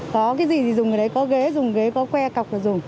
có cái gì thì dùng ở đấy có ghế dùng ghế có que cọc dùng